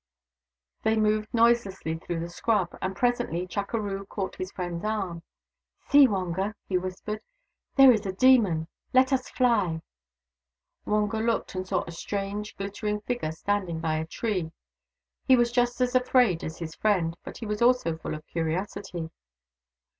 They moved noiselessly through the scrub, and presently Chukeroo caught his friend's arm. " See, Wonga," he whispered. " There is a demon ! Let us fly !" Wonga looked, and saw a strange, glittering figure standing by a tree. He was just as afraid as his friend, but he was also full of curiosity.